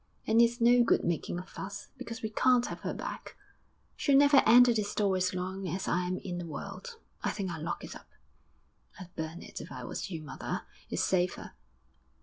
'And it's no good making a fuss, because we can't have her back.' 'She'll never enter this door as long as I'm in the world.... I think I'll lock it up.' 'I'd burn it, if I was you, mother. It's safer.'